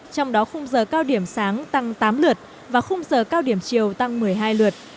trong đó khung giờ cao điểm sáng tăng tám lượt và khung giờ cao điểm chiều tăng một mươi hai lượt